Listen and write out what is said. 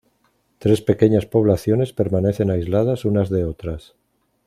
Tres pequeñas poblaciones permanecen aisladas unas de otras.